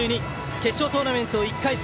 決勝トーナメント１回戦